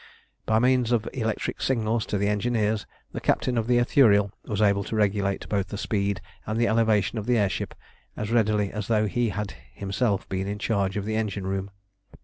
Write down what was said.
By means of electric signals to the engineers the captain of the Ithuriel was able to regulate both the speed and the elevation of the air ship as readily as though he had himself been in charge of the engine room.